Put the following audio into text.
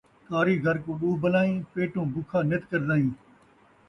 کاریگر کوں ݙو بلائیں ، پیٹوں بکھا ، نت قرضائیں